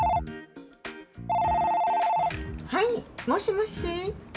はい、もしもし。